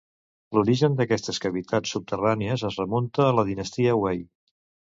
L'origen d'aquestes cavitats subterrànies es remunta a la dinastia Wei.